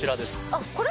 あっこれ？